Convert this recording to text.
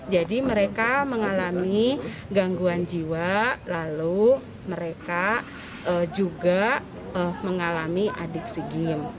jadi mereka mengalami gangguan jiwa lalu mereka juga mengalami adik sigim